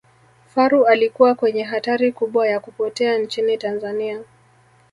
faru alikuwa kwenye hatari kubwa ya kupotea nchini tanzania